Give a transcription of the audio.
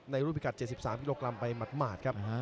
ในรูปริกัด๗๓กิโลกรัมไปหมัดครับ